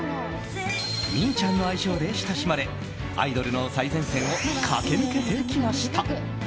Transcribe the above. みぃちゃんの愛称で親しまれアイドルの最前線を駆け抜けてきました。